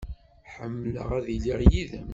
Ḥemmleɣ ad iliɣ yid-m.